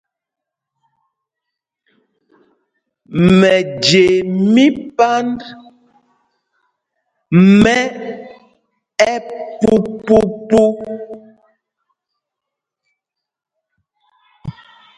Mɛje mí Pand mɛ ɛpupupu.